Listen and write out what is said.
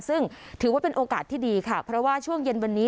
ซึ่งถือว่าเป็นโอกาสที่ดีค่ะเพราะว่าช่วงเย็นวันนี้